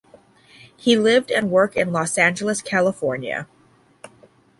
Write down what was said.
He lived and worked in Los Angeles, California.